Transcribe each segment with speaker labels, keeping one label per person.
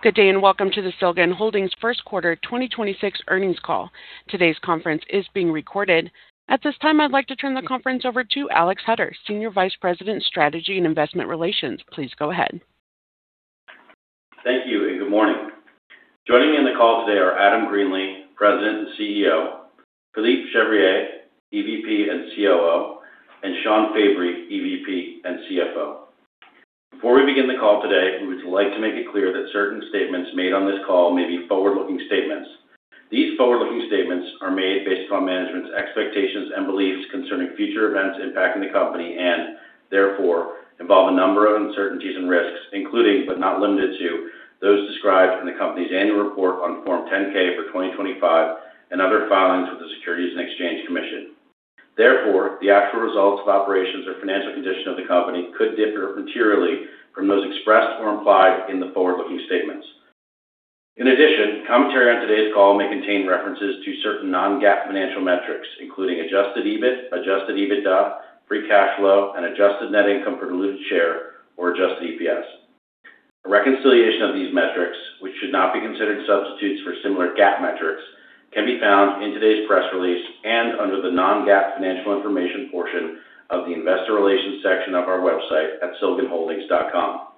Speaker 1: Good day, welcome to the Silgan Holdings Q1 2026 earnings call. Today's conference is being recorded. At this time, I'd like to turn the conference over to Alexander Hutter, Senior Vice President, Strategy and Investor Relations. Please go ahead.
Speaker 2: Thank you, and good morning. Joining me on the call today are Adam Greenlee, President and CEO; Philippe Chevrier, EVP and COO; and Shawn C. Fabry, EVP and CFO. Before we begin the call today, we would like to make it clear that certain statements made on this call may be forward-looking statements. These forward-looking statements are made based upon management's expectations and beliefs concerning future events impacting the company and therefore involve a number of uncertainties and risks, including, but not limited to, those described in the company's annual report on Form 10-K for 2025 and other filings with the Securities and Exchange Commission. Therefore, the actual results of operations or financial condition of the company could differ materially from those expressed or implied in the forward-looking statements. In addition, commentary on today's call may contain references to certain non-GAAP financial metrics, including Adjusted EBIT, Adjusted EBITDA, Free cash flow, and adjusted net income per diluted share or Adjusted EPS. A reconciliation of these metrics, which should not be considered substitutes for similar GAAP metrics, can be found in today's press release and under the Non-GAAP Financial Information portion of the Investor Relations section of our website at silganholdings.com.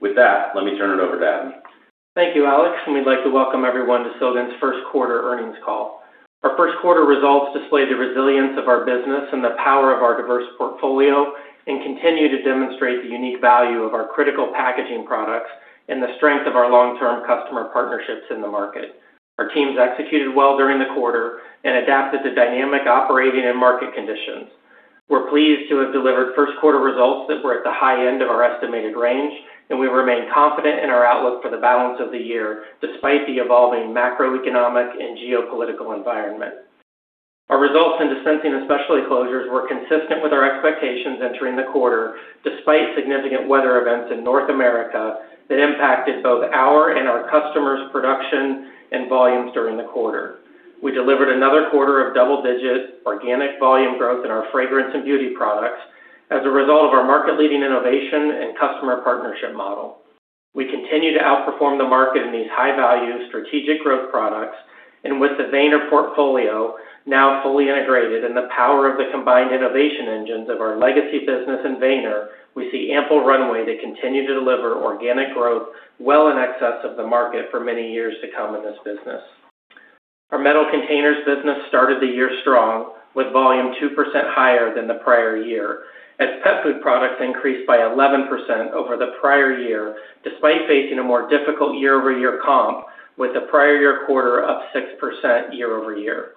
Speaker 2: With that, let me turn it over to Adam.
Speaker 3: Thank you, Alexander. We'd like to welcome everyone to Silgan's Q1 earnings call. Our Q1 results display the resilience of our business and the power of our diverse portfolio and continue to demonstrate the unique value of our critical packaging products and the strength of our long-term customer partnerships in the market. Our teams executed well during the quarter and adapted to dynamic operating and market conditions. We're pleased to have delivered Q1 results that were at the high end of our estimated range, and we remain confident in our outlook for the balance of the year, despite the evolving macroeconomic and geopolitical environment. Our results in Dispensing and Specialty Closures were consistent with our expectations entering the quarter, despite significant weather events in North America that impacted both our and our customers' production and volumes during the quarter. We delivered another quarter of double-digit organic volume growth in our fragrance and beauty products as a result of our market-leading innovation and customer partnership model. We continue to outperform the market in these high-value strategic growth products, and with the Weener portfolio now fully integrated and the power of the combined innovation engines of our legacy business and Weener, we see ample runway to continue to deliver organic growth well in excess of the market for many years to come in this business. Our Metal Containers business started the year strong, with volume 2% higher than the prior year, as pet food products increased by 11% over the prior year, despite facing a more difficult year-over-year comp with the prior year quarter up 6% year-over-year.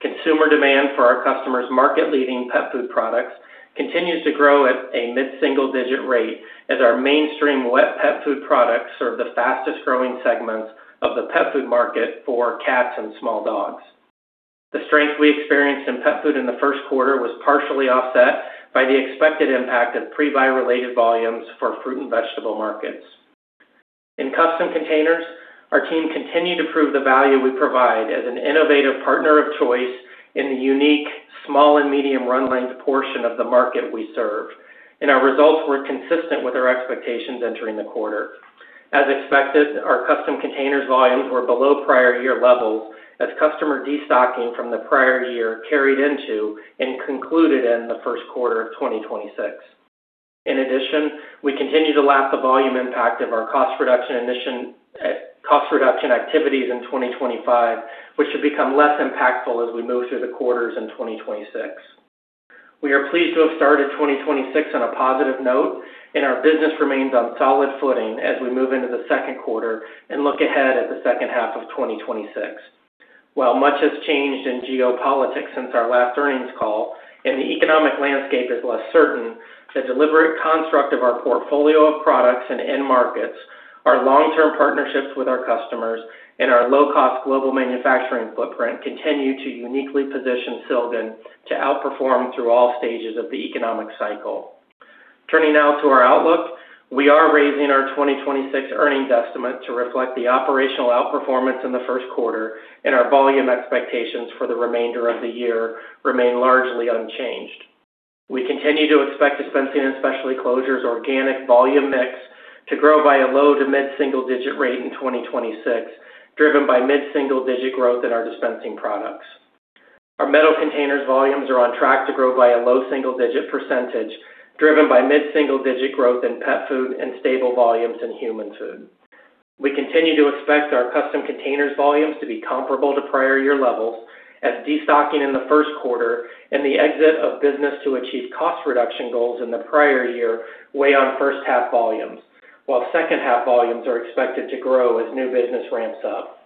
Speaker 3: Consumer demand for our customers' market-leading pet food products continues to grow at a mid-single-digit rate as our mainstream wet pet food products serve the fastest-growing segments of the pet food market for cats and small dogs. The strength we experienced in pet food in the Q1 was partially offset by the expected impact of pre-buy related volumes for fruit and vegetable markets. In Custom Containers, our team continued to prove the value we provide as an innovative partner of choice in the unique small and medium run length portion of the market we serve, and our results were consistent with our expectations entering the quarter. As expected, our Custom Containers volumes were below prior year levels as customer destocking from the prior year carried into and concluded in the Q1 of 2026. In addition, we continue to lap the volume impact of our cost reduction activities in 2025, which should become less impactful as we move through the quarters in 2026. We are pleased to have started 2026 on a positive note, and our business remains on solid footing as we move into the Q2 and look ahead at the second half of 2026. While much has changed in geopolitics since our last earnings call and the economic landscape is less certain, the deliberate construct of our portfolio of products and end markets, our long-term partnerships with our customers, and our low-cost global manufacturing footprint continue to uniquely position Silgan to outperform through all stages of the economic cycle. Turning now to our outlook, we are raising our 2026 earnings estimate to reflect the operational outperformance in the Q1. Our volume expectations for the remainder of the year remain largely unchanged. We continue to expect Dispensing and Specialty Closures organic volume mix to grow by a low to mid-single digit rate in 2026, driven by mid-single digit growth in our dispensing products. Our Metal Containers volumes are on track to grow by a low single-digit percentage, driven by mid-single digit growth in pet food and stable volumes in human food. We continue to expect our Custom Containers volumes to be comparable to prior year levels as destocking in the Q1 and the exit of business to achieve cost reduction goals in the prior year weigh on first half volumes, while second half volumes are expected to grow as new business ramps up.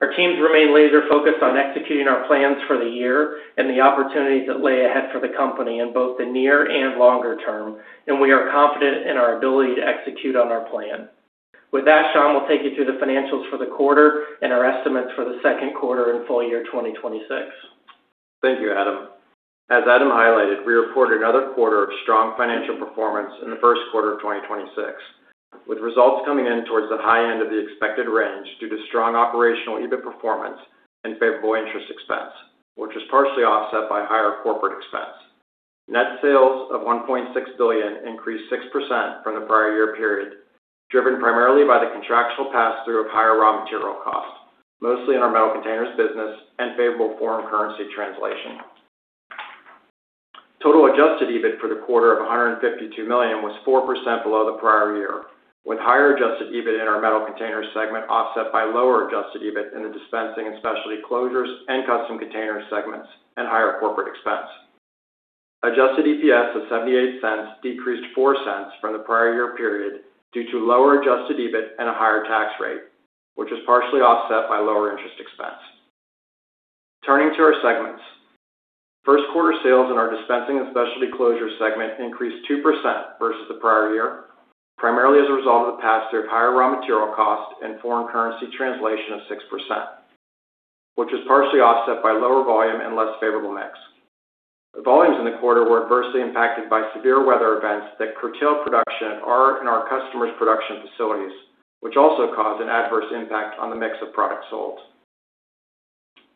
Speaker 3: Our teams remain laser-focused on executing our plans for the year and the opportunities that lay ahead for the company in both the near and longer term, and we are confident in our ability to execute on our plan. With that, Shawn will take you through the financials for the quarter and our estimates for the Q2 and full year 2026.
Speaker 4: Thank you, Adam. As Adam highlighted, we reported another quarter of strong financial performance in the Q1 of 2026, with results coming in towards the high end of the expected range due to strong operational EBIT performance and favorable interest expense, which was partially offset by higher corporate expense. Net sales of $1.6 billion increased 6% from the prior year period, driven primarily by the contractual pass-through of higher raw material costs, mostly in our Metal Containers business and favorable foreign currency translation. Total Adjusted EBIT for the quarter of $152 million was 4% below the prior year, with higher Adjusted EBIT in our Metal Containers segment offset by lower Adjusted EBIT in the Dispensing and Specialty Closures and Custom Containers segments and higher corporate expense. Adjusted EPS of $0.78 decreased $0.04 from the prior year period due to lower Adjusted EBIT and a higher tax rate, which was partially offset by lower interest expense. Turning to our segments. Q1 sales in our Dispensing and Specialty Closures segment increased 2% versus the prior year, primarily as a result of the pass-through of higher raw material costs and foreign currency translation of 6%, which was partially offset by lower volume and less favorable mix. Volumes in the quarter were adversely impacted by severe weather events that curtailed production at our and our customers' production facilities, which also caused an adverse impact on the mix of products sold.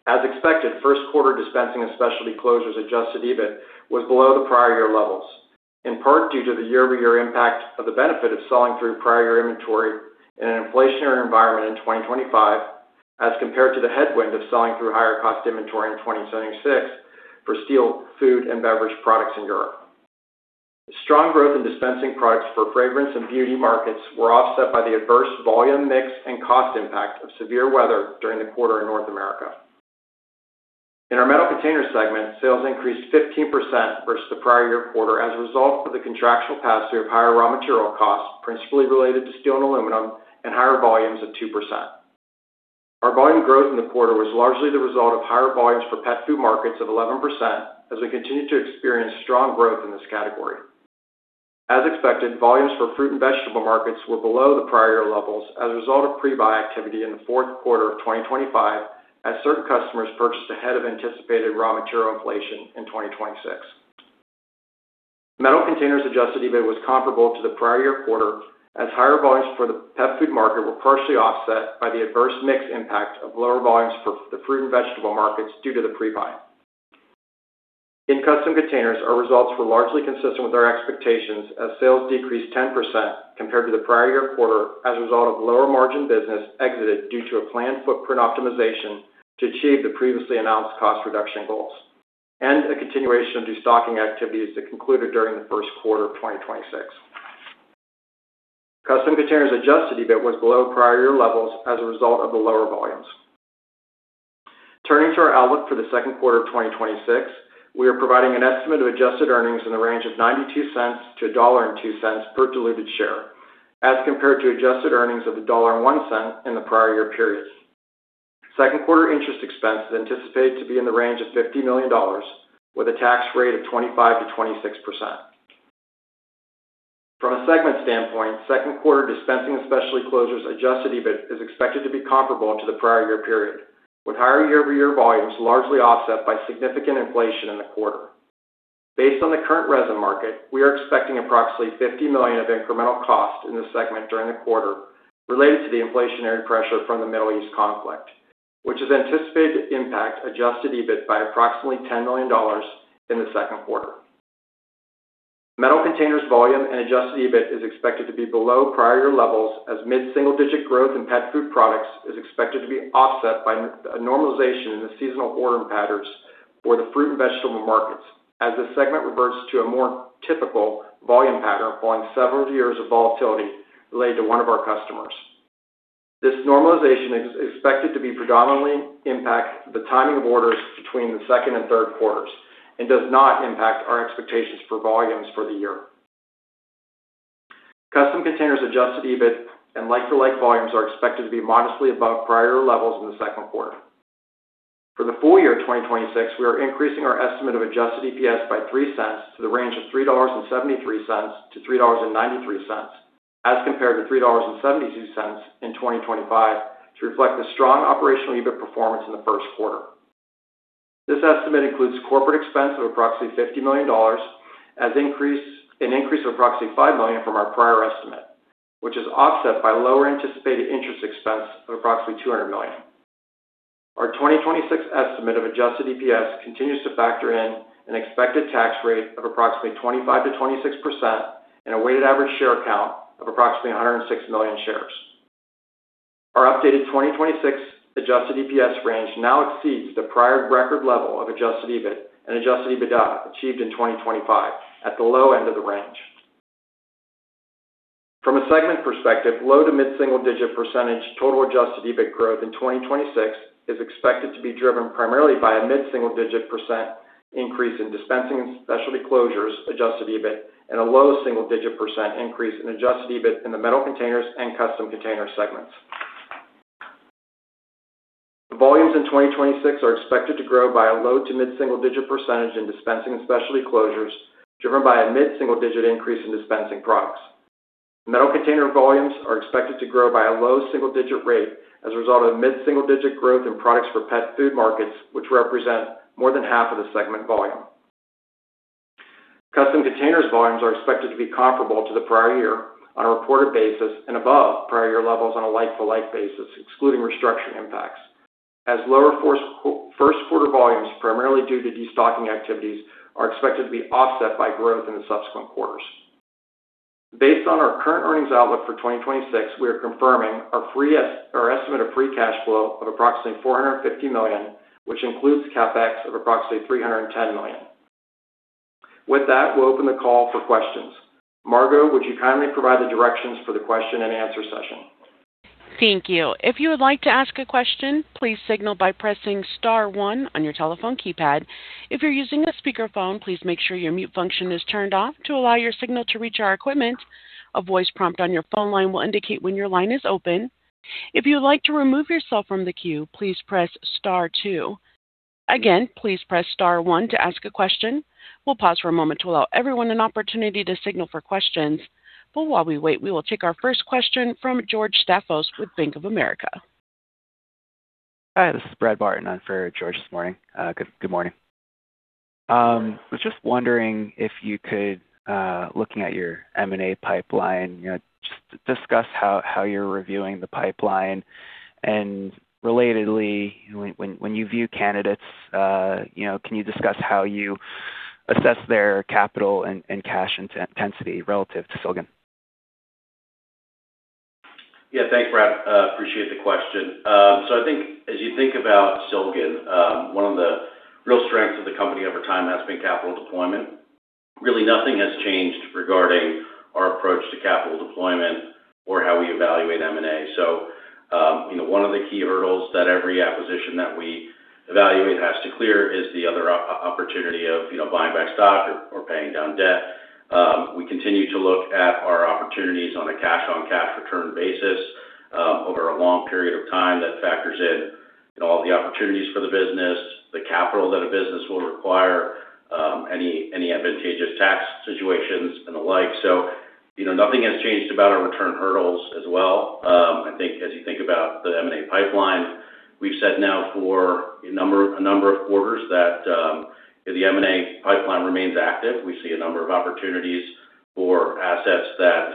Speaker 4: As expected, Q1 Dispensing and Specialty Closures Adjusted EBIT was below the prior year levels, in part due to the year-over-year impact of the benefit of selling through prior year inventory in an inflationary environment in 2025 as compared to the headwind of selling through higher cost inventory in 2026 for steel, food, and beverage products in Europe. Strong growth in dispensing products for fragrance and beauty markets were offset by the adverse volume, mix, and cost impact of severe weather during the quarter in North America. In our Metal Containers segment, sales increased 15% versus the prior year quarter as a result of the contractual pass-through of higher raw material costs, principally related to steel and aluminum, and higher volumes of 2%. Our volume growth in the quarter was largely the result of higher volumes for pet food markets of 11% as we continued to experience strong growth in this category. As expected, volumes for fruit and vegetable markets were below the prior year levels as a result of pre-buy activity in the Q4 of 2025 as certain customers purchased ahead of anticipated raw material inflation in 2026. Metal Containers Adjusted EBIT was comparable to the prior year quarter as higher volumes for the pet food market were partially offset by the adverse mix impact of lower volumes for the fruit and vegetable markets due to the pre-buy. In Custom Containers, our results were largely consistent with our expectations as sales decreased 10% compared to the prior year quarter as a result of lower margin business exited due to a planned footprint optimization to achieve the previously announced cost reduction goals and a continuation of destocking activities that concluded during the Q1 of 2026. Custom Containers Adjusted EBIT was below prior year levels as a result of the lower volumes. Turning to our outlook for the Q2 of 2026, we are providing an estimate of adjusted earnings in the range of $0.92 to $1.02 per diluted share as compared to adjusted earnings of $1.01 in the prior year period. Q2 interest expense is anticipated to be in the range of $50 million with a tax rate of 25%-26%. From a segment standpoint, Q2 Dispensing and Specialty Closures Adjusted EBIT is expected to be comparable to the prior year period, with higher year-over-year volumes largely offset by significant inflation in the quarter. Based on the current resin market, we are expecting approximately 50 million of incremental cost in this segment during the quarter related to the inflationary pressure from the Middle East conflict, which is anticipated to impact Adjusted EBIT by approximately $10 million in the Q2. Metal Containers volume and Adjusted EBIT is expected to be below prior year levels as mid-single-digit growth in pet food products is expected to be offset by a normalization in the seasonal ordering patterns for the fruit and vegetable markets as this segment reverts to a more typical volume pattern following several years of volatility related to one of our customers. This normalization is expected to be predominantly impact the timing of orders between the Q2 and Q3s and does not impact our expectations for volumes for the year. Custom Containers Adjusted EBIT and like-for-like volumes are expected to be modestly above prior levels in the Q2. For the full year of 2026, we are increasing our estimate of Adjusted EPS by $0.03 to the range of $3.73 to $3.93 as compared to $3.72 in 2025 to reflect the strong operational EBIT performance in the Q1. This estimate includes corporate expense of approximately $50 million as increase, an increase of approximately $5 million from our prior estimate, which is offset by lower anticipated interest expense of approximately $200 million. Our 2026 estimate of Adjusted EPS continues to factor in an expected tax rate of approximately 25%-26% and a weighted average share count of approximately 106 million shares. Our updated 2026 Adjusted EPS range now exceeds the prior record level of Adjusted EBIT and Adjusted EBITDA achieved in 2025 at the low end of the range. From a segment perspective, low to mid-single-digit % total Adjusted EBIT growth in 2026 is expected to be driven primarily by a mid-single-digit % increase in Dispensing and Specialty Closures Adjusted EBIT and a low single-digit % increase in Adjusted EBIT in the Metal Containers and Custom Containers segments. The volumes in 2026 are expected to grow by a low to mid-single-digit % in Dispensing and Specialty Closures driven by a mid-single-digit increase in dispensing products. Metal Containers volumes are expected to grow by a low single-digit rate as a result of mid-single-digit growth in products for pet food markets, which represent more than half of the segment volume. Custom Containers volumes are expected to be comparable to the prior year on a reported basis and above prior year levels on a like-for-like basis, excluding restructuring impacts. As lower Q1 volumes, primarily due to destocking activities, are expected to be offset by growth in the subsequent quarters. Based on our current earnings outlook for 2026, we are confirming our estimate of free cash flow of approximately $450 million, which includes CapEx of approximately $310 million. We'll open the call for questions. Margo, would you kindly provide the directions for the question and answer session?
Speaker 1: While we wait, we will take our first question from George Staphos with Bank of America.
Speaker 5: Hi, this is Brad Barton on for George this morning. Good morning. Was just wondering if you could, looking at your M&A pipeline, you know, just discuss how you're reviewing the pipeline. Relatedly, when you view candidates, you know, can you discuss how you assess their capital and cash intensity relative to Silgan?
Speaker 3: Yeah. Thanks, Brad. Appreciate the question. I think as you think about Silgan, one of the real strengths of the company over time has been capital deployment. Really nothing has changed regarding our approach to capital deployment or how we evaluate M&A. You know, one of the key hurdles that every acquisition that we evaluate has to clear is the other opportunity of, you know, buying back stock or paying down debt. We continue to look at our opportunities on a cash-on-cash return basis, over a long period of time that factors in all the opportunities for the business, the capital that a business will require, any advantageous tax situations and the like. You know, nothing has changed about our return hurdles as well. I think as you think about the M&A pipeline, we've said now for a number of quarters that the M&A pipeline remains active. We see a number of opportunities for assets that,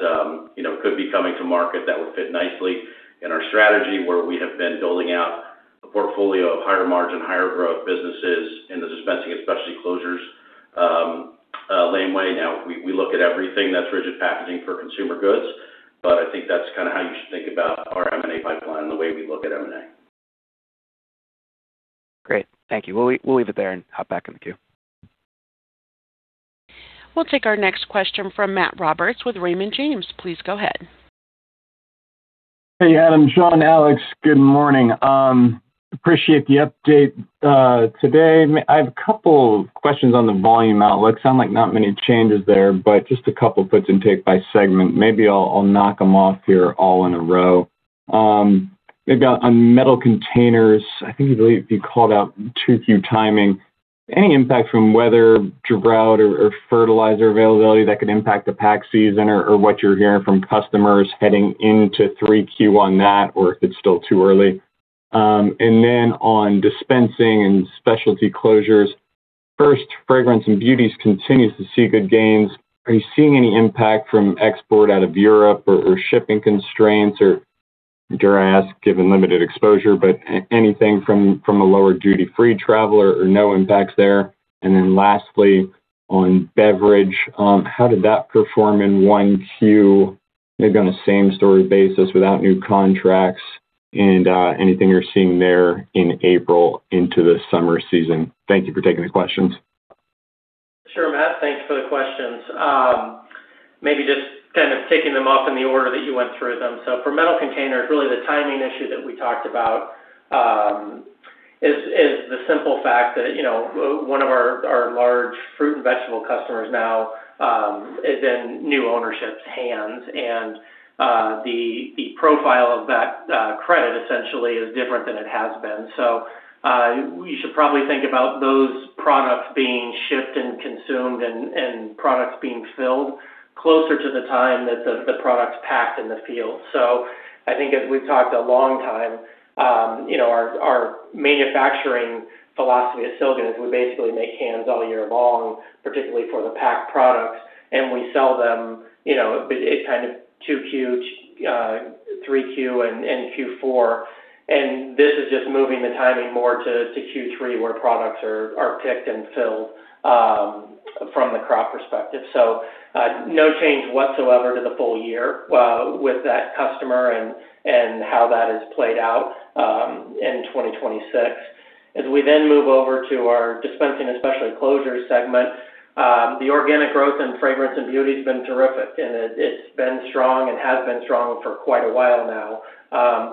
Speaker 3: you know, could be coming to market that would fit nicely in our strategy where we have been building out a portfolio of higher margin, higher growth businesses in the Dispensing and Specialty Closures laneway. Now, we look at everything that's rigid packaging for consumer goods, but I think that's kinda how you should think about our M&A pipeline and the way we look at M&A.
Speaker 5: Great. Thank you. We'll leave it there. Hop back in the queue.
Speaker 1: We'll take our next question from Matt Roberts with Raymond James. Please go ahead.
Speaker 6: Hey, Adam, Shawn, Alex, good morning. Appreciate the update today. I have a couple of questions on the volume outlook. Sound like not many changes there, just a couple puts and take by segment. Maybe I'll knock them off here all in a row. Maybe on Metal Containers, I think you called out 2Q timing. Any impact from weather, drought or fertilizer availability that could impact the pack season or what you're hearing from customers heading into 3Q on that, or if it's still too early? Then on Dispensing and Specialty Closures, first, fragrance and beauties continues to see good gains. Are you seeing any impact from export out of Europe or shipping constraints? Dare I ask, given limited exposure, anything from a lower duty-free travel or no impacts there? Lastly, on beverage, how did that perform in 1Q, maybe on a same-story basis without new contracts and anything you're seeing there in April into the summer season? Thank you for taking the questions.
Speaker 3: Sure, Matt. Thanks for the questions. Maybe just kind of kicking them off in the order that you went through them. For Metal Containers, really the timing issue that we talked about, is the simple fact that, you know, one of our large fruit and vegetable customers now is in new ownership's hands. The profile of that credit essentially is different than it has been. You should probably think about those products being shipped and consumed and products being filled closer to the time that the product's packed in the field. I think as we've talked a long time, you know, our manufacturing philosophy at Silgan is we basically make cans all year long, particularly for the packed products, and we sell them, you know, kind of 2Q, 3Q, and Q4. This is just moving the timing more to Q3, where products are picked and filled from the crop perspective. No change whatsoever to the full year with that customer and how that has played out in 2026. As we move over to our Dispensing and Specialty Closures segment, the organic growth in fragrance and beauty has been terrific, and it's been strong and has been strong for quite a while now.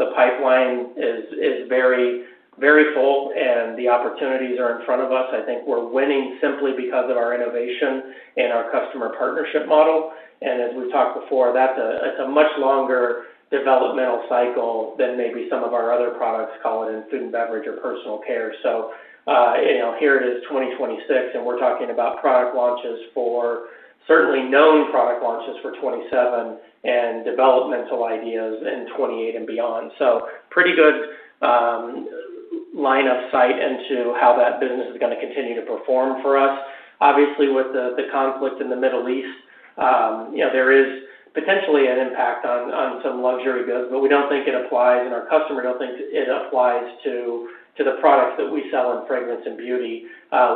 Speaker 3: The pipeline is very, very full, and the opportunities are in front of us. I think we're winning simply because of our innovation and our customer partnership model. As we've talked before, it's a much longer developmental cycle than maybe some of our other products, call it in food and beverage or personal care. You know, here it is 2026, we're talking about certainly known product launches for 2027 and developmental ideas in 2028 and beyond. Pretty good line of sight into how that business is going to continue to perform for us. Obviously, with the conflict in the Middle East, you know, there is potentially an impact on some luxury goods, we don't think it applies and our customers don't think it applies to the products that we sell in fragrance and beauty.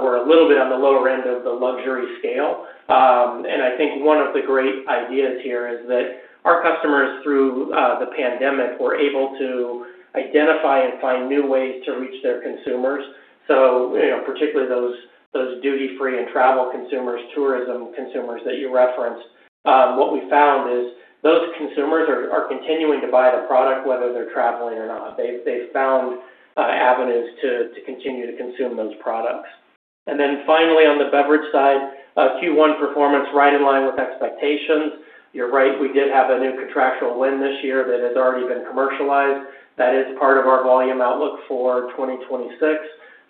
Speaker 3: We're a little bit on the lower end of the luxury scale. I think one of the great ideas here is that our customers through the pandemic were able to identify and find new ways to reach their consumers. You know, particularly those duty-free and travel consumers, tourism consumers that you referenced. What we found is those consumers are continuing to buy the product, whether they're traveling or not. They've found avenues to continue to consume those products. Finally, on the beverage side, Q1 performance right in line with expectations. You're right, we did have a new contractual win this year that has already been commercialized. That is part of our volume outlook for 2026.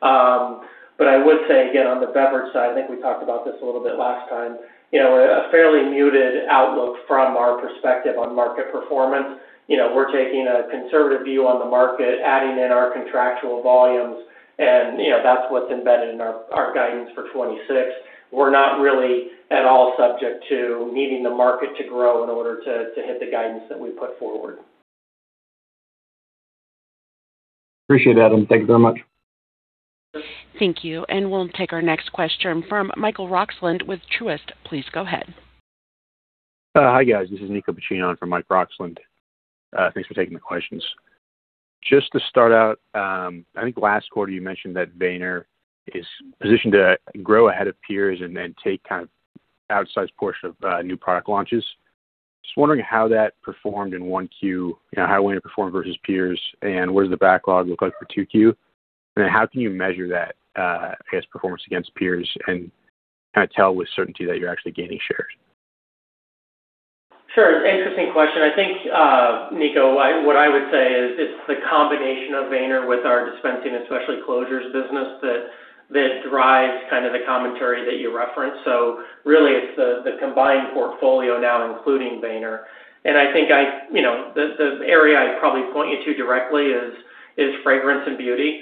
Speaker 3: I would say again, on the beverage side, I think we talked about this a little bit last time, you know, a fairly muted outlook from our perspective on market performance. You know, we're taking a conservative view on the market, adding in our contractual volumes and, you know, that's what's embedded in our guidance for 2026. We're not really at all subject to needing the market to grow in order to hit the guidance that we put forward.
Speaker 6: Appreciate it, Adam. Thank you very much.
Speaker 1: Thank you. We'll take our next question from Michael Roxland with Truist. Please go ahead.
Speaker 7: Hi, guys. This is Niko Buccino from Michael Roxland. Thanks for taking the questions. Just to start out, I think last quarter you mentioned that Weener is positioned to grow ahead of peers and then take kind of outsized portion of new product launches. Just wondering how that performed in 1Q, you know, how it went to perform versus peers, and what does the backlog look like for 2Q? How can you measure that, I guess, performance against peers and kinda tell with certainty that you're actually gaining shares?
Speaker 3: Sure. Interesting question. I think, Niko, what I would say is it's the combination of Weener with our Dispensing and Specialty Closures business that drives kind of the commentary that you referenced. Really it's the combined portfolio now including Weener. I think, you know, the area I'd probably point you to directly is fragrance and beauty.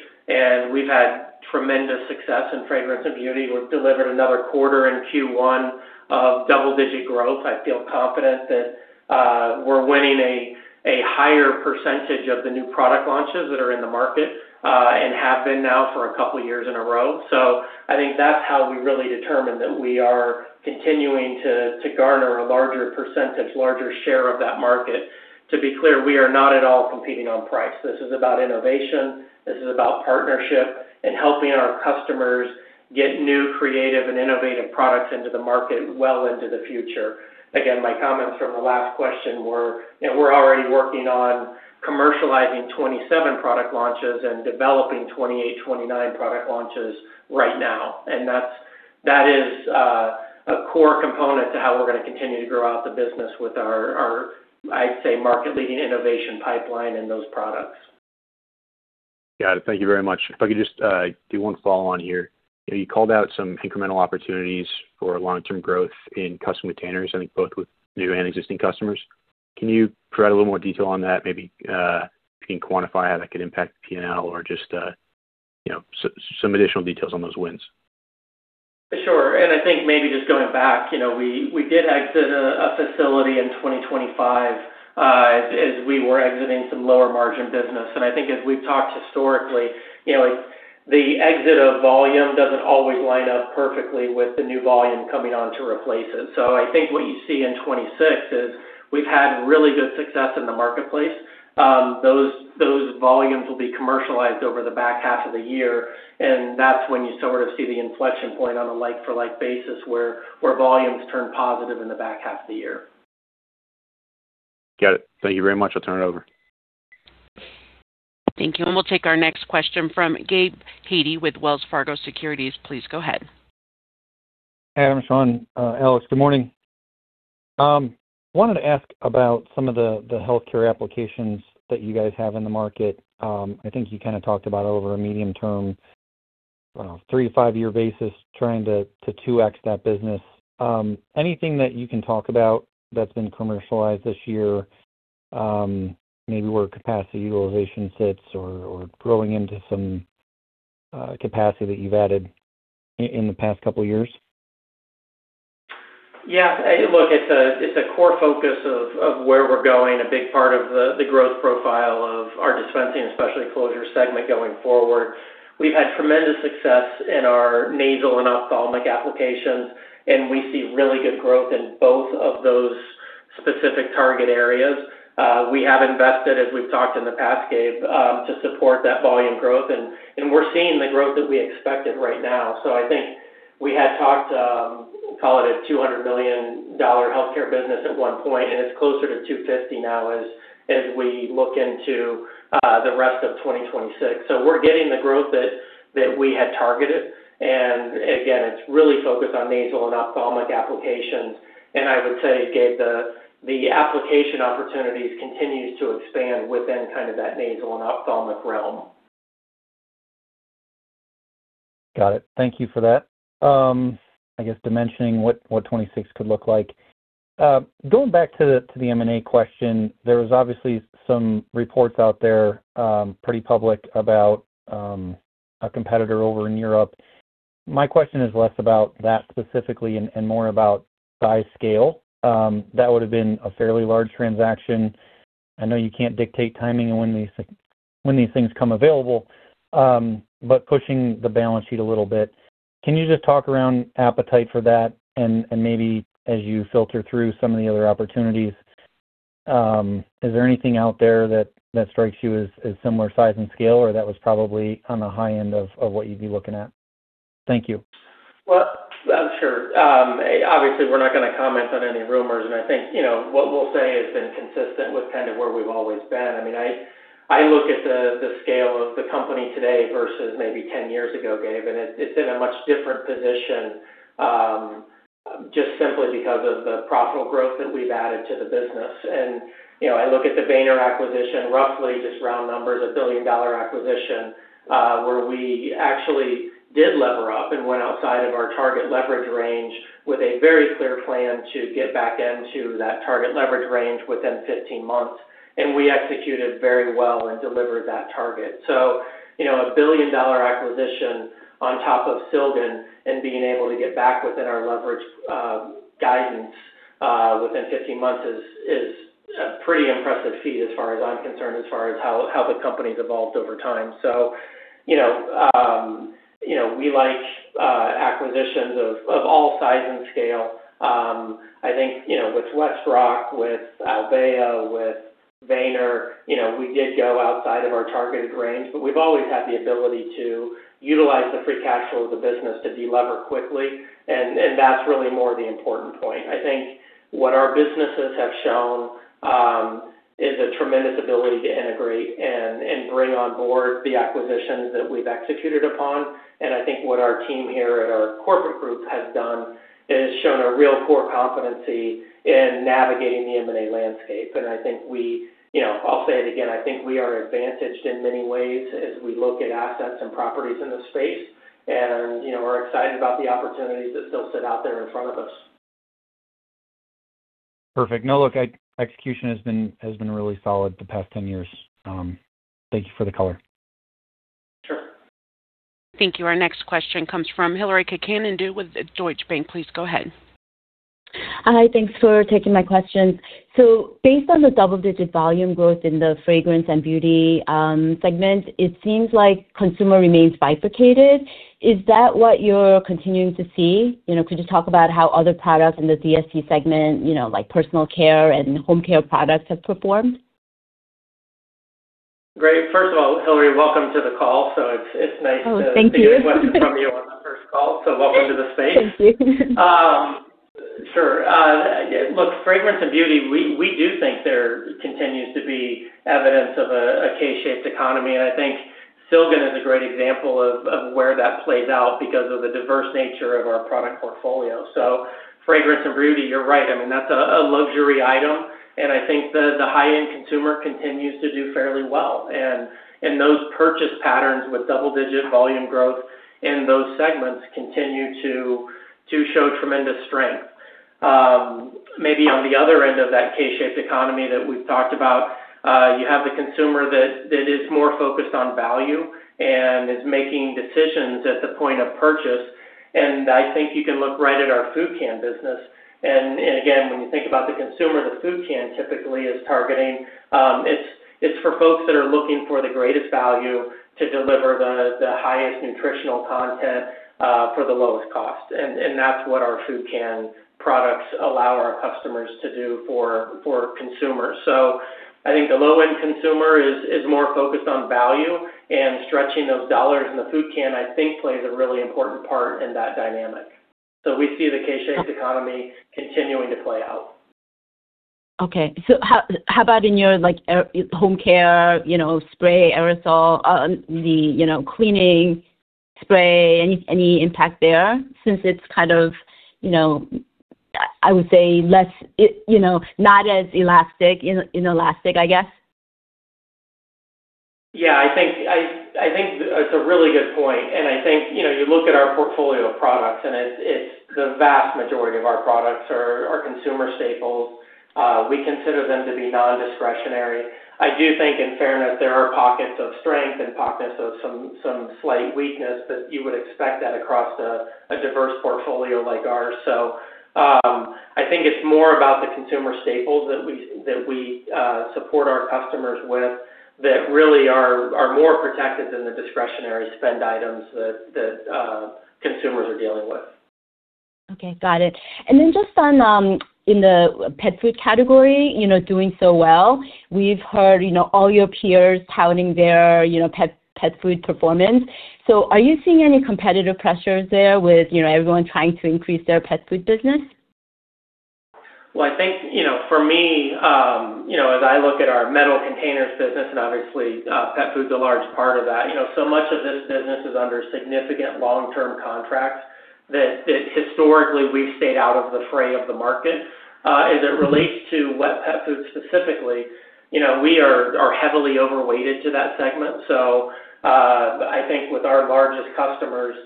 Speaker 3: We've had tremendous success in fragrance and beauty. We've delivered another quarter in Q1 of double-digit growth. I feel confident that we're winning a higher percentage of the new product launches that are in the market and have been now for a couple of years in a row. I think that's how we really determine that we are continuing to garner a larger percentage, larger share of that market. To be clear, we are not at all competing on price. This is about innovation. This is about partnership and helping our customers get new creative and innovative products into the market well into the future. Again, my comments from the last question were, you know, we're already working on commercializing 27 product launches and developing 28, 29 product launches right now. That is a core component to how we're gonna continue to grow out the business with our, I'd say, market-leading innovation pipeline and those products.
Speaker 7: Got it. Thank you very much. If I could just do one follow on here. You know, you called out some incremental opportunities for long-term growth in Custom Containers, I think both with new and existing customers. Can you provide a little more detail on that? Maybe, if you can quantify how that could impact P&L or just, you know, some additional details on those wins.
Speaker 3: Sure. I think maybe just going back, you know, we did exit a facility in 2025, as we were exiting some lower margin business. I think as we've talked historically, you know, the exit of volume doesn't always line up perfectly with the new volume coming on to replace it. I think what you see in 2026 is we've had really good success in the marketplace. Those volumes will be commercialized over the back half of the year, and that's when you sort of see the inflection point on a like for like basis where volumes turn positive in the back half of the year.
Speaker 7: Got it. Thank you very much. I'll turn it over.
Speaker 1: Thank you. We'll take our next question from Gabe Hajde with Wells Fargo Securities. Please go ahead.
Speaker 8: Adam, Shawn, Alexander, good morning. Wanted to ask about some of the healthcare applications that you guys have in the market. I think you kind of talked about over a medium term, 3 to 5-year basis trying to 2x that business. Anything that you can talk about that's been commercialized this year, maybe where capacity utilization sits or growing into some capacity that you've added in the past couple of years?
Speaker 3: It's a core focus of where we're going, a big part of the growth profile of our Dispensing and Specialty Closures segment going forward. We've had tremendous success in our nasal and ophthalmic applications, and we see really good growth in both of those specific target areas. We have invested, as we've talked in the past, Gabe, to support that volume growth. And we're seeing the growth that we expected right now. I think we had talked, call it a $200 million healthcare business at one point, and it's closer to $250 million now as we look into the rest of 2026. We're getting the growth that we had targeted. Again, it's really focused on nasal and ophthalmic applications. I would say, Gabe, the application opportunities continues to expand within kind of that nasal and ophthalmic realm.
Speaker 8: Got it. Thank you for that. I guess dimensioning what 2026 could look like. Going back to the M&A question, there was obviously some reports out there, pretty public about a competitor over in Europe. My question is less about that specifically and more about size scale. That would've been a fairly large transaction. I know you can't dictate timing and when these things come available, but pushing the balance sheet a little bit, can you just talk around appetite for that? Maybe as you filter through some of the other opportunities, is there anything out there that strikes you as similar size and scale or that was probably on the high end of what you'd be looking at? Thank you.
Speaker 3: Well, sure. Obviously we're not gonna comment on any rumors and I think, you know, what we'll say has been consistent with kind of where we've always been. I mean, I look at the scale of the company today versus maybe 10 years ago, Gabe, and it's in a much different position, just simply because of the profitable growth that we've added to the business. You know, I look at the Weener acquisition, roughly just round numbers, a billion-dollar acquisition, where we actually did lever up and went outside of our target leverage range with a very clear plan to get back into that target leverage range within 15 months. We executed very well and delivered that target. You know, a $1 billion-dollar acquisition on top of Silgan and being able to get back within our leverage guidance within 15 months is a pretty impressive feat as far as I'm concerned, as far as how the company's evolved over time. You know, you know, we like acquisitions of all size and scale. I think, you know, with WestRock, with Albéa, with Weener, you know, we did go outside of our targeted range, but we've always had the ability to utilize the free cash flow of the business to delever quickly and that's really more the important point. I think what our businesses have shown is a tremendous ability to integrate and bring on board the acquisitions that we've executed upon. I think what our team here at our corporate group has done is shown a real core competency in navigating the M&A landscape. You know, I'll say it again, I think we are advantaged in many ways as we look at assets and properties in this space. You know, we're excited about the opportunities that still sit out there in front of us.
Speaker 8: Perfect. No, look, execution has been really solid the past 10 years. Thank you for the color.
Speaker 3: Sure.
Speaker 1: Thank you. Our next question comes from Hillary Cacanando with Deutsche Bank. Please go ahead.
Speaker 9: Hi. Thanks for taking my question. Based on the double-digit volume growth in the fragrance and beauty segment, it seems like consumer remains bifurcated. Is that what you're continuing to see? You know, could you talk about how other products in the DSC segment, you know, like personal care and home care products have performed?
Speaker 3: Great. First of all, Hillary, welcome to the call. It's nice to.
Speaker 9: Oh, thank you.
Speaker 3: We'll be taking questions from you on the first call, so welcome to the space.
Speaker 9: Thank you.
Speaker 3: Sure. Look, fragrance and beauty, we do think there continues to be evidence of a K-shaped economy. I think Silgan is a great example of where that plays out because of the diverse nature of our product portfolio. Fragrance and beauty, you're right, I mean, that's a luxury item. I think the high-end consumer continues to do fairly well. Those purchase patterns with double-digit volume growth in those segments continue to show tremendous strength. Maybe on the other end of that K-shaped economy that we've talked about, you have the consumer that is more focused on value and is making decisions at the point of purchase. I think you can look right at our food can business, and again, when you think about the consumer the food can typically is targeting, it's for folks that are looking for the greatest value to deliver the highest nutritional content for the lowest cost. That's what our food can products allow our customers to do for consumers. I think the low-end consumer is more focused on value and stretching those dollars, and the food can, I think, plays a really important part in that dynamic. We see the K-shaped economy continuing to play out.
Speaker 9: Okay. How about in your, like, home care, you know, spray aerosol, the, you know, cleaning spray, any impact there since it's kind of, you know, I would say less, you know, not as elastic, inelastic, I guess?
Speaker 3: Yeah. I think it's a really good point. I think, you know, you look at our portfolio of products and it's the vast majority of our products are consumer staples. We consider them to be non-discretionary. I do think in fairness there are pockets of strength and pockets of some slight weakness, but you would expect that across a diverse portfolio like ours. I think it's more about the consumer staples that we support our customers with that really are more protected than the discretionary spend items that consumers are dealing with.
Speaker 9: Okay. Got it. Then just on, in the pet food category, you know, doing so well, we've heard, you know, all your peers touting their, you know, pet food performance. Are you seeing any competitive pressures there with, you know, everyone trying to increase their pet food business?
Speaker 3: Well, I think, you know, for me, you know, as I look at our Metal Containers business, obviously, pet food's a large part of that, you know, so much of this business is under significant long-term contracts. That historically we've stayed out of the fray of the market. As it relates to wet pet food specifically, you know, we are heavily over-weighted to that segment. I think with our largest customers,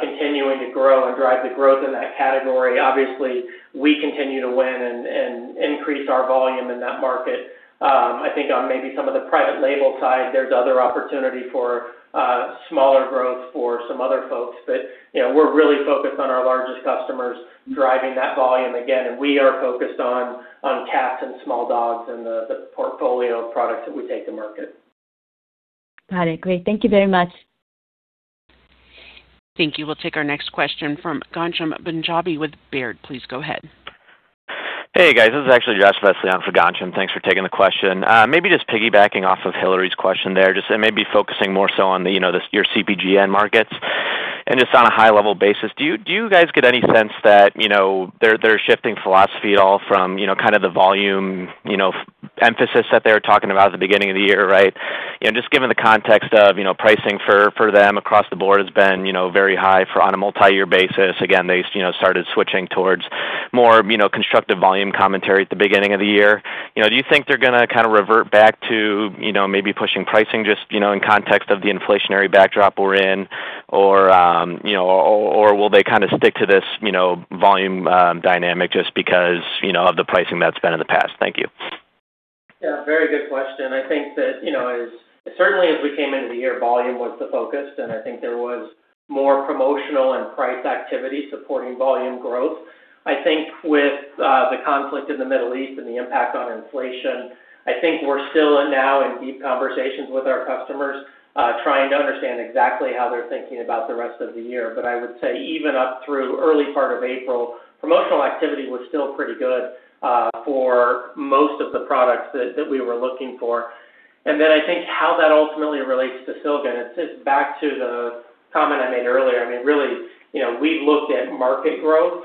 Speaker 3: continuing to grow and drive the growth in that category, obviously we continue to win and increase our volume in that market. I think on maybe some of the private label side, there's other opportunity for smaller growth for some other folks. You know, we're really focused on our largest customers driving that volume again, and we are focused on cats and small dogs and the portfolio of products that we take to market.
Speaker 9: Got it. Great. Thank you very much.
Speaker 1: Thank you. We'll take our next question from Ghansham Panjabi with Baird. Please go ahead.
Speaker 10: Hey, guys. This is actually Joshua Vesely on for Ghansham. Thanks for taking the question. Maybe just piggybacking off of Hillary's question there, just maybe focusing more so on the, you know, your CPG end markets. Just on a high level basis, do you, do you guys get any sense that, you know, they're shifting philosophy at all from, you know, kind of the volume, you know, emphasis that they were talking about at the beginning of the year, right? You know, just given the context of, you know, pricing for them across the board has been, you know, very high on a multi-year basis. Again, they, you know, started switching towards more, you know, constructive volume commentary at the beginning of the year. You know, do you think they're gonna kind of revert back to, you know, maybe pushing pricing just, you know, in context of the inflationary backdrop we're in? Or, you know, or will they kind of stick to this, you know, volume dynamic just because, you know, of the pricing that's been in the past? Thank you.
Speaker 3: Yeah. Very good question. I think that, you know, certainly as we came into the year, volume was the focus, and I think there was more promotional and price activity supporting volume growth. I think with the conflict in the Middle East and the impact on inflation, I think we're still now in deep conversations with our customers, trying to understand exactly how they're thinking about the rest of the year. I would say even up through early part of April, promotional activity was still pretty good for most of the products that we were looking for. I think how that ultimately relates to Silgan, it's back to the comment I made earlier. I mean, really, you know, we look at market growth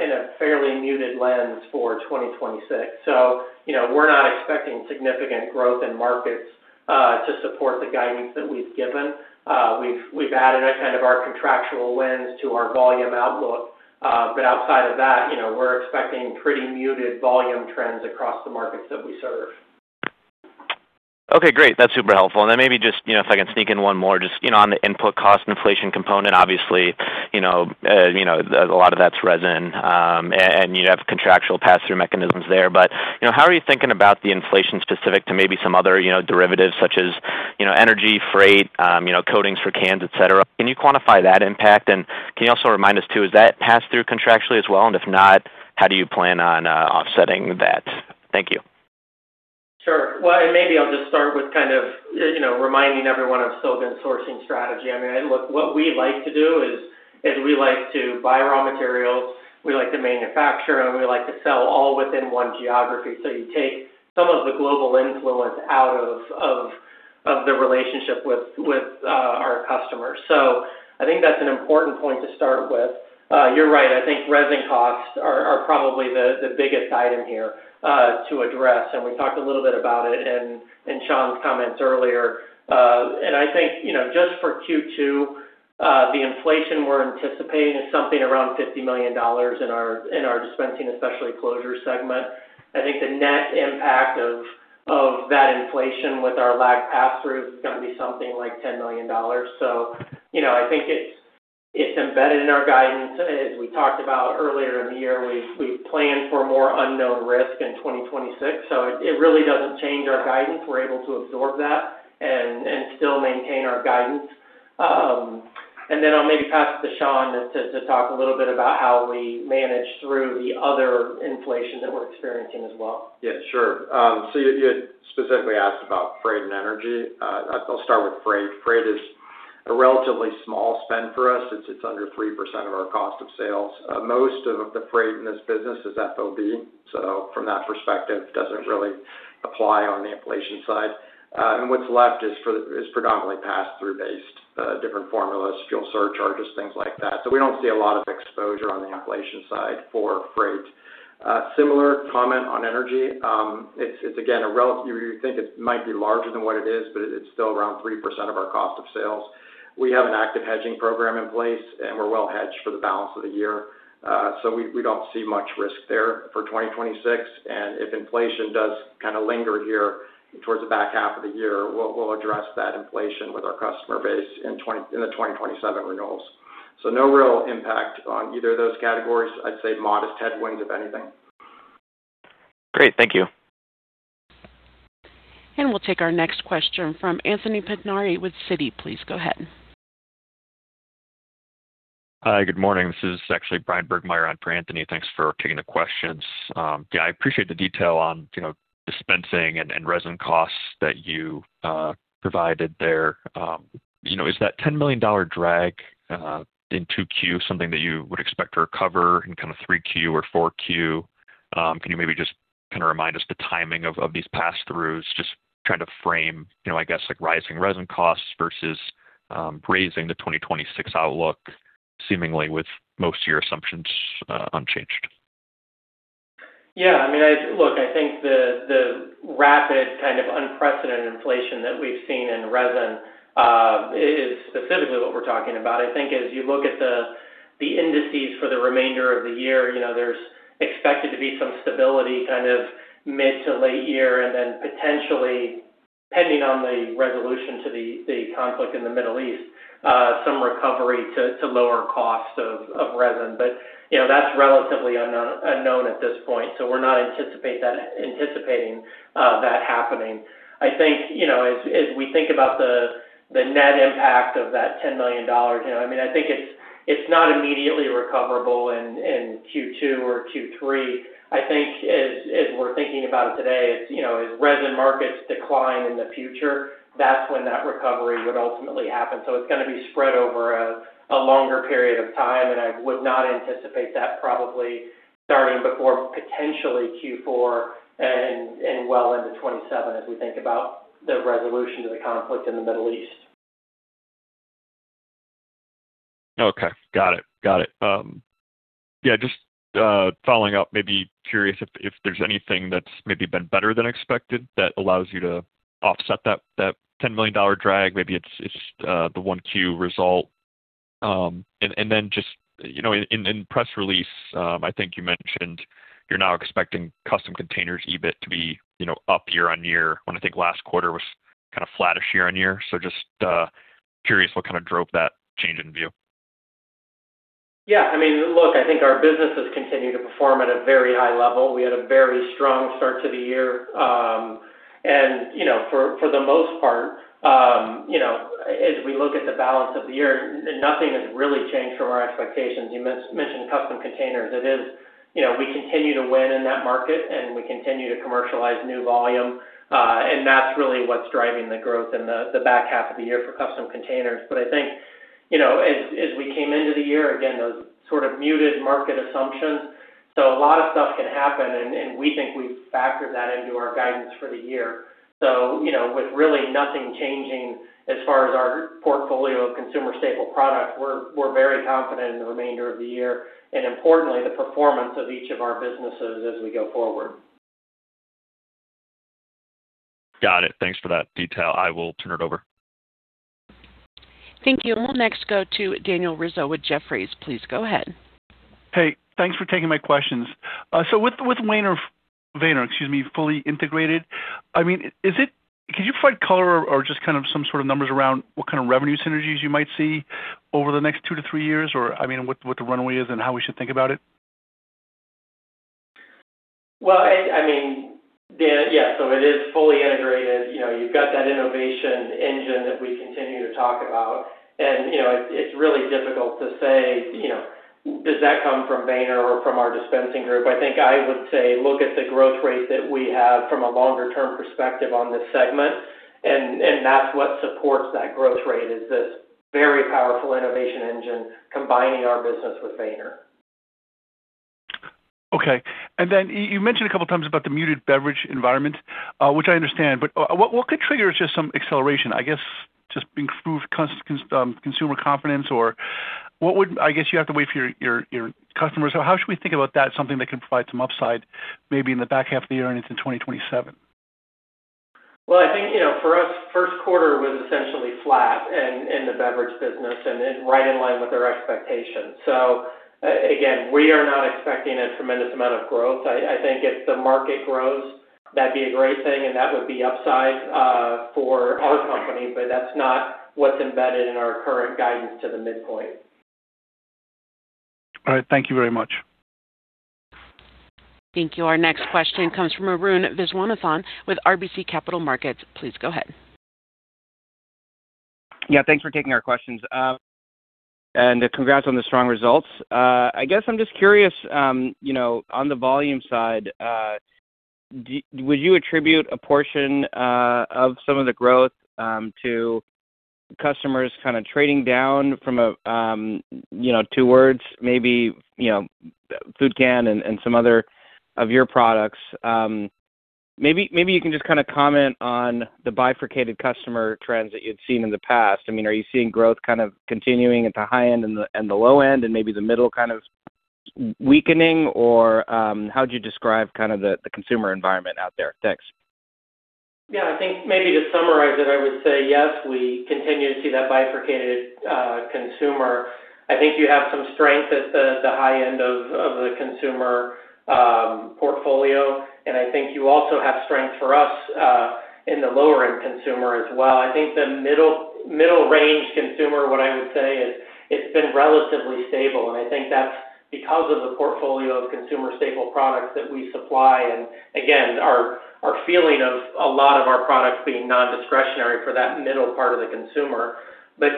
Speaker 3: in a fairly muted lens for 2026. You know, we're not expecting significant growth in markets to support the guidance that we've given. We've added a kind of our contractual wins to our volume outlook. Outside of that, you know, we're expecting pretty muted volume trends across the markets that we serve.
Speaker 10: Okay. Great. That's super helpful. Then maybe just, you know, if I can sneak in one more, just, you know, on the input cost inflation component, obviously, you know, a lot of that's resin, and you have contractual pass-through mechanisms there. You know, how are you thinking about the inflation specific to maybe some other, you know, derivatives such as, you know, energy, freight, you know, coatings for cans, et cetera? Can you quantify that impact? Can you also remind us too, is that pass-through contractually as well? If not, how do you plan on offsetting that? Thank you.
Speaker 3: Sure. Well, maybe I'll just start with kind of, you know, reminding everyone of Silgan sourcing strategy. I mean, look, what we like to do is we like to buy raw materials, we like to manufacture them, we like to sell all within one geography. You take some of the global influence out of the relationship with our customers. I think that's an important point to start with. You're right, I think resin costs are probably the biggest item here to address, and we talked a little bit about it in Shawn's comments earlier. I think, you know, just for Q2, the inflation we're anticipating is something around $50 million in our Dispensing and Specialty Closures segment. I think the net impact of that inflation with our lagged pass-through is gonna be something like $10 million. You know, I think it's embedded in our guidance. As we talked about earlier in the year, we planned for more unknown risk in 2026, so it really doesn't change our guidance. We're able to absorb that and still maintain our guidance. I'll maybe pass it to Shawn to talk a little bit about how we manage through the other inflation that we're experiencing as well.
Speaker 4: Sure. You had specifically asked about freight and energy. I'll start with freight. Freight is a relatively small spend for us. It's under 3% of our cost of sales. Most of the freight in this business is FOB, from that perspective, doesn't really apply on the inflation side. What's left is predominantly pass-through based, different formulas, fuel surcharges, things like that. We don't see a lot of exposure on the inflation side for freight. Similar comment on energy. It's again, you would think it might be larger than what it is, but it's still around 3% of our cost of sales. We have an active hedging program in place, we're well hedged for the balance of the year. We don't see much risk there for 2026. If inflation does kinda linger here towards the back half of the year, we'll address that inflation with our customer base in the 2027 renewals. No real impact on either of those categories. I'd say modest headwinds, if anything.
Speaker 10: Great. Thank you.
Speaker 1: We'll take our next question from Anthony Pettinari with Citi. Please go ahead.
Speaker 11: Hi, good morning. This is actually Bryan Burgmeier on for Anthony. Thanks for taking the questions. I appreciate the detail on dispensing and resin costs that you provided there. Is that $10 million drag in 2Q something that you would expect to recover in kind of 3Q or 4Q? Can you maybe just kind of remind us the timing of these pass-throughs? Just trying to frame rising resin costs versus raising the 2026 outlook seemingly with most of your assumptions unchanged.
Speaker 3: Yeah, I mean, look, I think the rapid kind of unprecedented inflation that we've seen in resin is specifically what we're talking about. I think as you look at the indices for the remainder of the year, you know, there's expected to be some stability kind of mid to late year and then potentially pending on the resolution to the conflict in the Middle East, some recovery to lower costs of resin. You know, that's relatively unknown at this point, so we're not anticipating that happening. I think, you know, as we think about the net impact of that $10 million, you know, I mean, I think it's not immediately recoverable in Q2 or Q3. I think as we're thinking about it today, it's, you know, as resin markets decline in the future, that's when that recovery would ultimately happen. It's gonna be spread over a longer period of time, and I would not anticipate that probably starting before potentially Q4 and well into 2027 as we think about the resolution to the conflict in the Middle East.
Speaker 11: Okay. Got it. Got it. Yeah, just following up, maybe curious if there's anything that's maybe been better than expected that allows you to offset that $10 million drag. Maybe it's the 1Q result. And then just, you know, in press release, I think you mentioned you're now expecting Custom Containers EBIT to be, you know, up year-on-year when I think last quarter was kind of flattish year-on-year. Just curious what kind of drove that change in view.
Speaker 3: I mean, look, I think our businesses continue to perform at a very high level. We had a very strong start to the year. You know, for the most part, you know, as we look at the balance of the year, nothing has really changed from our expectations. You mentioned Custom Containers. You know, we continue to win in that market, we continue to commercialize new volume, that's really what's driving the growth in the back half of the year for Custom Containers. I think, you know, as we came into the year, again, those sort of muted market assumptions. A lot of stuff can happen, and we think we've factored that into our guidance for the year. You know, with really nothing changing as far as our portfolio of consumer staple products, we're very confident in the remainder of the year and importantly, the performance of each of our businesses as we go forward.
Speaker 11: Got it. Thanks for that detail. I will turn it over.
Speaker 1: Thank you. We'll next go to Daniel Rizzo with Jefferies. Please go ahead.
Speaker 12: Hey, thanks for taking my questions. With Weener, excuse me, fully integrated, I mean, can you provide color or just kind of some sort of numbers around what kind of revenue synergies you might see over the next two to 3 years? Or, I mean, what the runway is and how we should think about it.
Speaker 3: Well, I mean, Dan, yeah, it is fully integrated. You know, you've got that innovation engine that we continue to talk about. You know, it's really difficult to say, you know, does that come from Weener or from our Dispensing Group? I think I would say, look at the growth rate that we have from a longer term perspective on this segment, and that's what supports that growth rate, is this very powerful innovation engine combining our business with Weener.
Speaker 12: Okay. Then y-you mentioned a couple times about the muted beverage environment, which I understand, but what could trigger just some acceleration? I guess just improved consumer confidence? I guess you have to wait for your customers. How should we think about that, something that can provide some upside maybe in the back half of the year and into 2027?
Speaker 3: Well, I think, you know, for us, Q1 was essentially flat in the beverage business and right in line with our expectations. Again, we are not expecting a tremendous amount of growth. I think if the market grows, that'd be a great thing and that would be upside for our company, but that's not what's embedded in our current guidance to the midpoint.
Speaker 12: All right. Thank you very much.
Speaker 1: Thank you. Our next question comes from Arun Viswanathan with RBC Capital Markets. Please go ahead.
Speaker 13: Yeah, thanks for taking our questions. Congrats on the strong results. I guess I'm just curious, you know, on the volume side, would you attribute a portion of some of the growth to customers kinda trading down from a, you know, towards maybe, you know, food can and some other of your products? Maybe you can just kinda comment on the bifurcated customer trends that you've seen in the past. I mean, are you seeing growth kind of continuing at the high end and the low end and maybe the middle kind of weakening? How would you describe kind of the consumer environment out there? Thanks.
Speaker 3: I think maybe to summarize it, I would say yes, we continue to see that bifurcated consumer. I think you have some strength at the high end of the consumer portfolio, and I think you also have strength for us in the lower end consumer as well. I think the middle range consumer, what I would say is it's been relatively stable, and I think that's because of the portfolio of consumer staple products that we supply. Again, our feeling of a lot of our products being non-discretionary for that middle part of the consumer.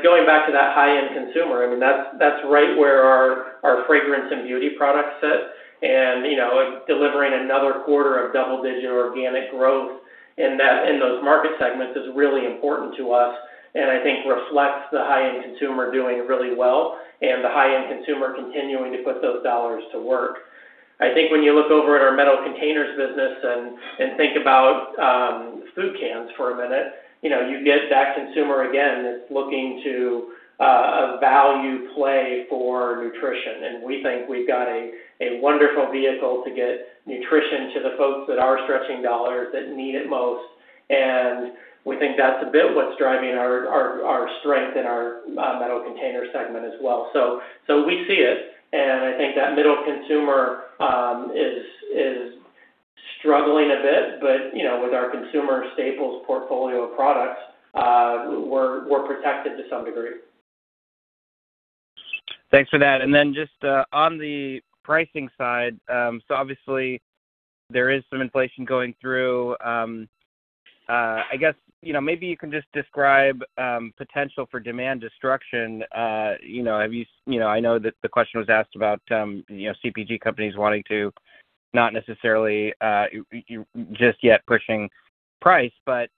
Speaker 3: Going back to that high-end consumer, I mean, that's right where our fragrance and beauty products sit and, you know, delivering another quarter of double-digit organic growth in those market segments is really important to us and I think reflects the high-end consumer doing really well and the high-end consumer continuing to put those dollars to work. I think when you look over at our Metal Containers business and think about food cans for a minute, you know, you get that consumer again that's looking to a value play for nutrition. We think we've got a wonderful vehicle to get nutrition to the folks that are stretching dollars that need it most. We think that's a bit what's driving our strength in our Metal Container segment as well. We see it, and I think that middle consumer is struggling a bit, but, you know, with our consumer staples portfolio of products, we're protected to some degree.
Speaker 13: Thanks for that. Then just on the pricing side, so obviously there is some inflation going through. I guess, you know, maybe you can just describe potential for demand destruction. You know, you know, I know that the question was asked about, you know, CPG companies wanting to not necessarily just yet pushing price, but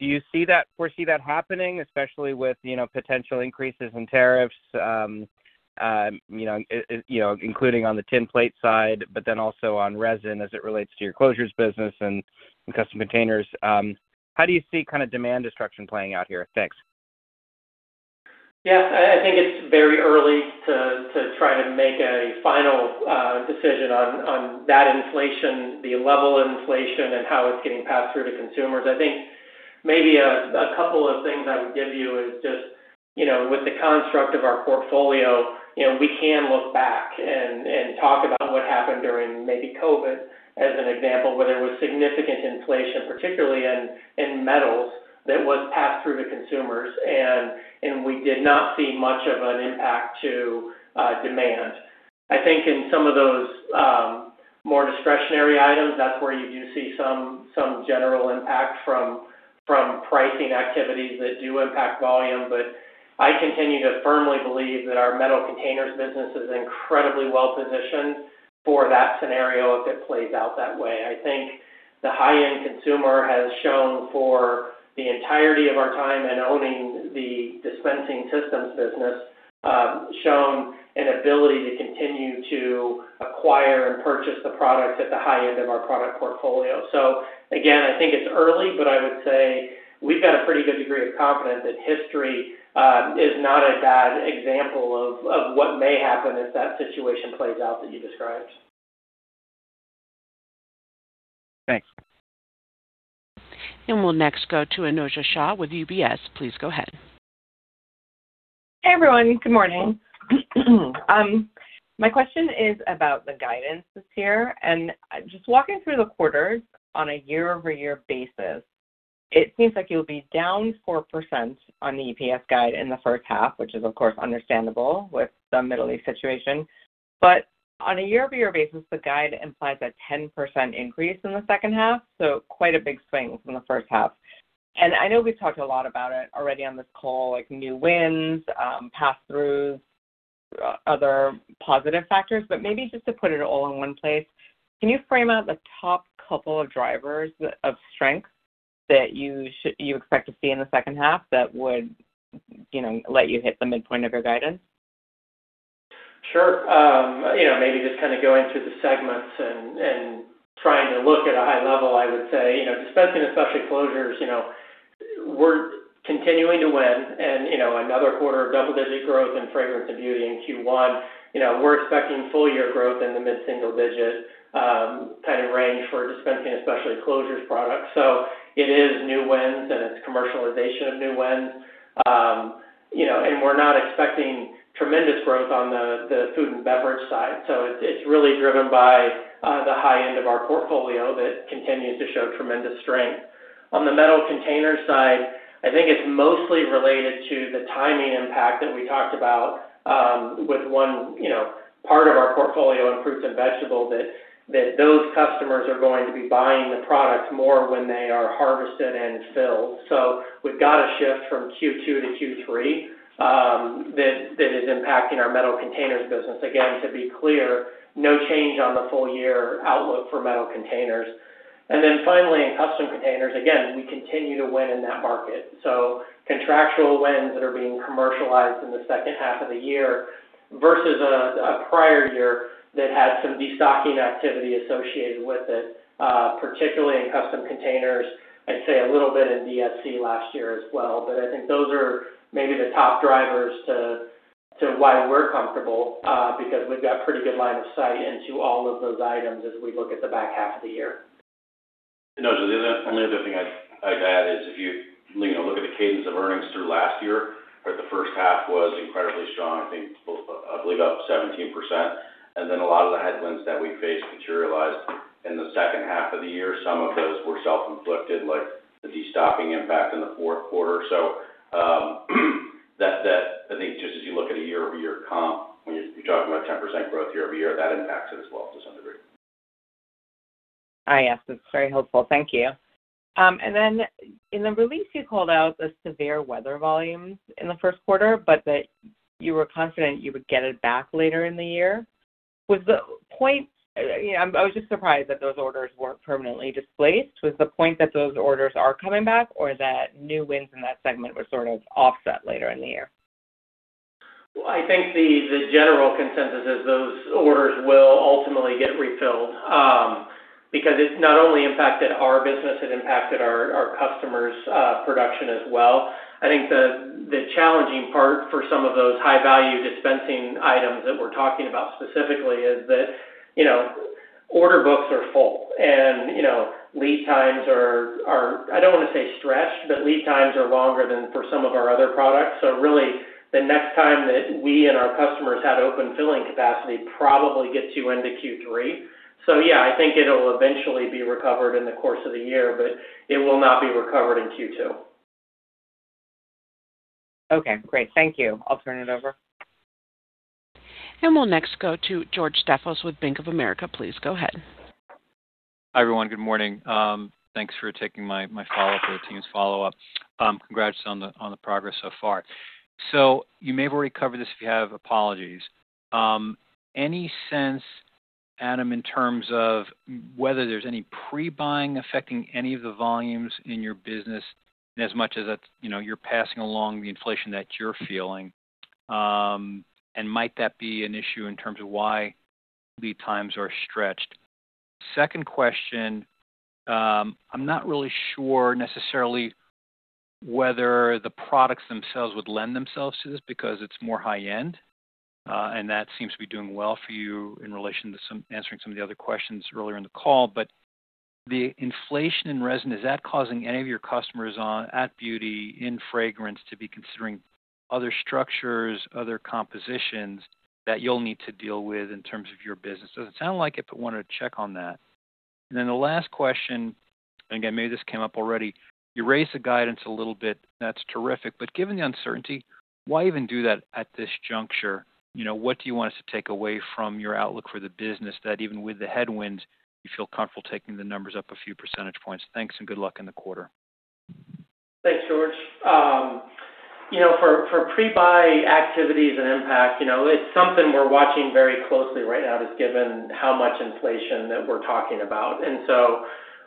Speaker 13: do you see that foresee that happening, especially with, you know, potential increases in tariffs, you know, including on the tin plate side, but then also on resin as it relates to your closures business and Custom Containers? How do you see kinda demand destruction playing out here? Thanks.
Speaker 3: Yeah. I think it's very early to try to make a final decision on that inflation, the level of inflation and how it's getting passed through to consumers. I think maybe a couple of things I would give you is just, you know, with the construct of our portfolio, you know, we can look back and talk about what happened during maybe COVID as an example, where there was significant inflation, particularly in metals that was passed through to consumers and we did not see much of an impact to demand. I think in some of those more discretionary items, that's where you do see some general impact from pricing activities that do impact volume. I continue to firmly believe that our Metal Containers business is incredibly well-positioned for that scenario if it plays out that way. I think the high-end consumer has shown for the entirety of our time in owning the dispensing systems business, shown an ability to continue to acquire and purchase the products at the high end of our product portfolio. Again, I think it's early, but I would say we've got a pretty good degree of confidence that history is not a bad example of what may happen if that situation plays out that you described.
Speaker 13: Thanks.
Speaker 1: We'll next go to Anojja Shah with UBS. Please go ahead.
Speaker 14: Hey, everyone. Good morning. My question is about the guidance this year, just walking through the quarters on a year-over-year basis, it seems like you'll be down 4% on the EPS guide in the first half, which is of course understandable with the Middle East situation. On a year-over-year basis, the guide implies a 10% increase in the second half, quite a big swing from the first half. I know we've talked a lot about it already on this call, like new wins, pass-throughs, other positive factors, maybe just to put it all in one place, can you frame out the top couple of drivers of strength that you expect to see in the second half that would, you know, let you hit the midpoint of your guidance?
Speaker 3: Sure. You know, maybe just kinda going through the segments and trying to look at a high level, I would say, you know, Dispensing and Specialty Closures, you know, we're continuing to win and, you know, another quarter of double-digit growth in fragrance and beauty in Q1. You know, we're expecting full-year growth in the mid-single digit kind of range for Dispensing and Specialty Closures products. It is new wins, and it's commercialization of new wins. You know, we're not expecting tremendous growth on the food and beverage side. It's, it's really driven by the high end of our portfolio that continues to show tremendous strength. On the Metal Containers side, I think it's mostly related to the timing impact that we talked about, with one, you know, part of our portfolio in fruits and vegetables, that those customers are going to be buying the product more when they are harvested and filled. We've got a shift from Q2 to Q3 that is impacting our Metal Containers business. Again, to be clear, no change on the full-year outlook for Metal Containers. Finally, in Custom Containers, again, we continue to win in that market. Contractual wins that are being commercialized in the second half of the year versus a prior year that had some destocking activity associated with it, particularly in Custom Containers. I'd say a little bit in DSC last year as well. I think those are maybe the top drivers to why we're comfortable, because we've got pretty good line of sight into all of those items as we look at the back half of the year.
Speaker 2: Anojja, the only other thing I'd add is if you know, look at the cadence of earnings through last year, right? The first half was incredibly strong. I think I believe up 17%. A lot of the headwinds that we faced materialized in the second half of the year. Some of those were self-inflicted, like the destocking impact in the Q4. I think just as you look at a year-over-year comp, when you're talking about 10% growth year-over-year, that impacts it as well to some degree.
Speaker 14: Yes. That's very helpful. Thank you. In the release, you called out the severe weather volumes in the Q1, but that you were confident you would get it back later in the year. You know, I was just surprised that those orders weren't permanently displaced. Was the point that those orders are coming back or that new wins in that segment were sort of offset later in the year?
Speaker 3: I think the general consensus is those orders will ultimately get refilled because it's not only impacted our business, it impacted our customers' production as well. I think the challenging part for some of those high value dispensing items that we're talking about specifically is that, you know, order books are full and, you know, lead times are, I don't wanna say stretched, but lead times are longer than for some of our other products. Really the next time that we and our customers had open filling capacity probably gets you into Q3. I think it'll eventually be recovered in the course of the year, but it will not be recovered in Q2.
Speaker 14: Okay, great. Thank you. I'll turn it over.
Speaker 1: We'll next go to George Staphos with Bank of America. Please go ahead.
Speaker 15: Hi, everyone. Good morning. Thanks for taking my follow-up or the team's follow-up. Congrats on the progress so far. You may have already covered this, if you have, apologies. Any sense, Adam Greenlee, in terms of whether there's any pre-buying affecting any of the volumes in your business as much as that, you know, you're passing along the inflation that you're feeling, and might that be an issue in terms of why lead times are stretched? Second question. I'm not really sure necessarily whether the products themselves would lend themselves to this because it's more high end, and that seems to be doing well for you in relation to answering some of the other questions earlier in the call. The inflation in resin, is that causing any of your customers at beauty, in fragrance to be considering other structures, other compositions that you'll need to deal with in terms of your business? Doesn't sound like it, but wanted to check on that. The last question, maybe this came up already. You raised the guidance a little bit, that's terrific. Given the uncertainty, why even do that at this juncture? You know, what do you want us to take away from your outlook for the business that even with the headwinds, you feel comfortable taking the numbers up a few percentage points? Thanks. Good luck in the quarter.
Speaker 3: Thanks, George. You know, for pre-buy activities and impact, you know, it's something we're watching very closely right now, just given how much inflation that we're talking about.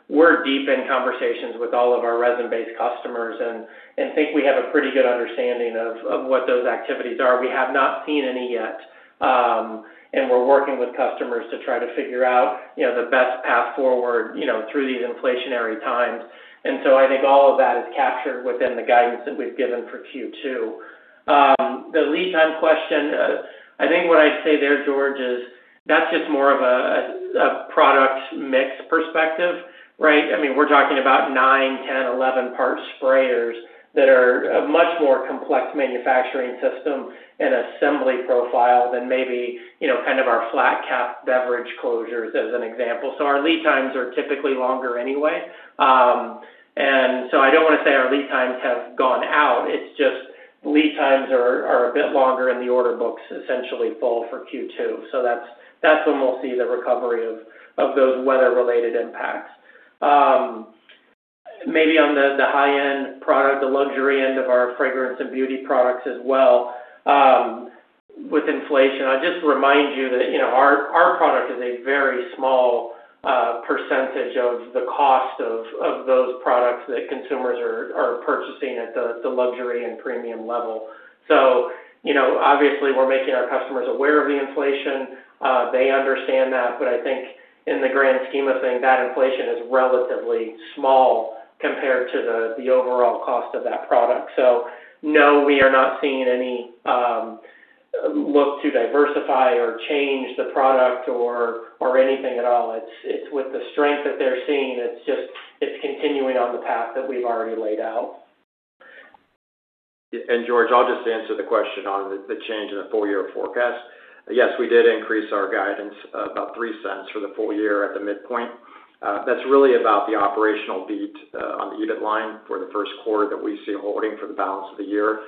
Speaker 3: We're deep in conversations with all of our resin-based customers and think we have a pretty good understanding of what those activities are. We have not seen any yet. We're working with customers to try to figure out, you know, the best path forward, you know, through these inflationary times. I think all of that is captured within the guidance that we've given for Q2. The lead time question, I think what I'd say there, George, is that's just more of a product mix perspective, right? I mean, we're talking about 9, 10, 11 part sprayers that are a much more complex manufacturing system and assembly profile than maybe, you know, kind of our flat cap beverage closures as an example. Our lead times are typically longer anyway. I don't wanna say our lead times have gone out, it's just lead times are a bit longer, and the order books essentially full for Q2. That's when we'll see the recovery of those weather-related impacts. Maybe on the high-end product, the luxury end of our fragrance and beauty products as well, with inflation, I'd just remind you that, you know, our product is a very small percentage of the cost of those products that consumers are purchasing at the luxury and premium level. You know, obviously we're making our customers aware of the inflation. They understand that. I think in the grand scheme of things, that inflation is relatively small compared to the overall cost of that product. No, we are not seeing any look to diversify or change the product or anything at all. It's with the strength that they're seeing, it's just, it's continuing on the path that we've already laid out.
Speaker 4: George, I'll just answer the question on the change in the full year forecast. Yes, we did increase our guidance about $0.03 for the full year at the midpoint. That's really about the operational beat on the unit line for the Q1 that we see holding for the balance of the year.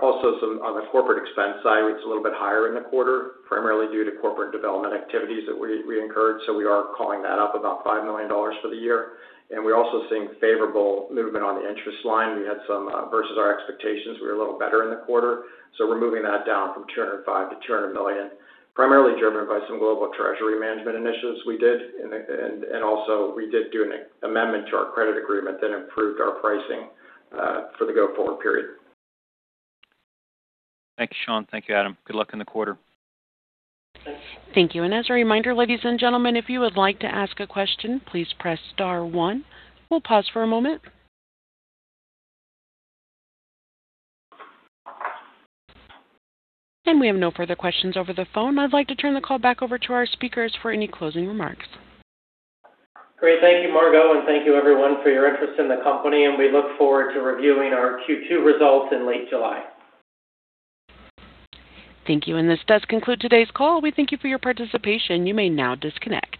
Speaker 4: Also some on the corporate expense side, it's a little bit higher in the quarter, primarily due to corporate development activities that we incurred, so we are calling that up about $5 million for the year. We're also seeing favorable movement on the interest line. We had some versus our expectations, we were a little better in the quarter, so we're moving that down from $205 million to $200 million, primarily driven by some global treasury management initiatives we did. Also we did do an amendment to our credit agreement that improved our pricing for the go-forward period.
Speaker 15: Thank you, Shawn. Thank you, Adam. Good luck in the quarter.
Speaker 3: Thanks.
Speaker 1: Thank you. As a reminder, ladies and gentlemen, if you would like to ask a question, please press star one. We'll pause for a moment. We have no further questions over the phone. I'd like to turn the call back over to our speakers for any closing remarks.
Speaker 3: Great. Thank you, Margo, and thank you everyone for your interest in the company, and we look forward to reviewing our Q2 results in late July.
Speaker 1: Thank you. This does conclude today's call. We thank you for your participation. You may now disconnect.